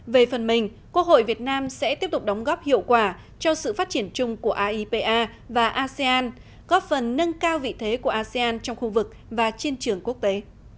về phần mình quốc hội việt nam sẽ tiếp tục đóng góp hiệu quả cho sự phát triển chung của aipa và asean góp phần nâng cao vị thế của asean trong khu vực và trên trường quốc tế